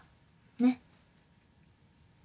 ねっ。